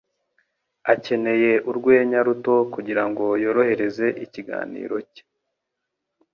Akeneye urwenya ruto kugirango yorohereze ikiganiro cye.